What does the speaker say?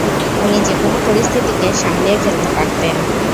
উনি যেকোনো পরিস্থিতিকে সামলিয়ে ফেলতে পারতেন।